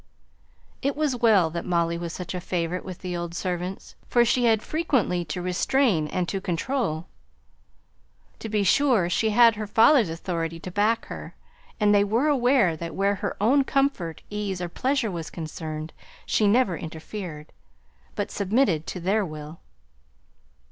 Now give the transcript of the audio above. It was well that Molly was such a favourite with the old servants; for she had frequently to restrain and to control. To be sure, she had her father's authority to back her; and they were aware that where her own comfort, ease, or pleasure was concerned she never interfered, but submitted to their will.